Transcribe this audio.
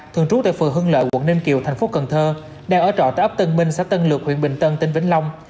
thường trú tại phường hương lợi quận ninh kiều thành phố cần thơ đang ở trọ tại ấp tân minh xã tân lược huyện bình tân tỉnh vĩnh long